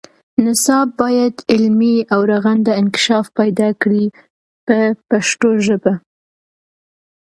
نصاب باید علمي او رغنده انکشاف پیدا کړي په پښتو ژبه.